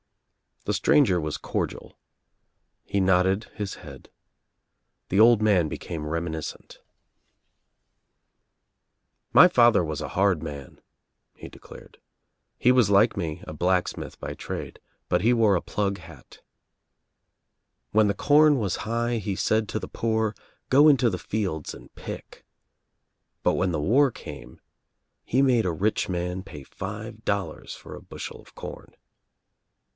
The stranger was cordial. He nodded his head, f The old man became reminiscent. J 94 THE TRIUMPH OF THE EGG "My father was a hard man," he declared. "He was like me, a blacksmith by trade, but he wore a plug hat. When the corn was high he said to the poor, 'go into the fields and pick' but when the war came he made a rich man pay five dollars for a bushel of corn."